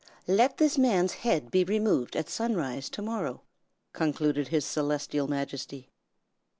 "'Let this man's head be removed at sunrise to morrow!' concluded His Celestial Majesty.